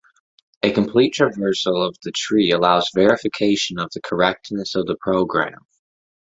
A complete traversal of the tree allows verification of the correctness of the program.